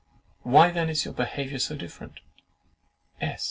Why then is your behaviour so different?"